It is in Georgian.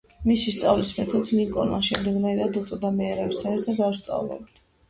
მისი სწავლის მეთოდს, ლინკოლნმა შემდეგნაირად უწოდა: „მე არავისთან ერთად არ ვსწავლობდი“.